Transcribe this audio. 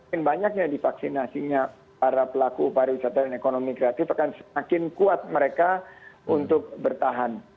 semakin banyaknya divaksinasinya para pelaku pariwisata dan ekonomi kreatif akan semakin kuat mereka untuk bertahan